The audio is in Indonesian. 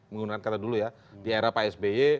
menggunakan kata dulu ya di era psby